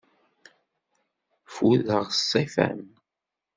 Ffudeɣ ṣṣifa-m.